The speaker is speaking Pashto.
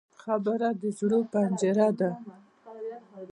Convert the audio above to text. خبره د زړه پنجره ده